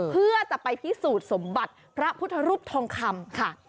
เพื่อจะไปพิสูจน์สมบัติพระพุทธรูปทองคำค่ะ